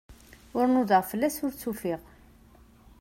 Ur nudaɣ fell-as, ur tt-ufiɣ.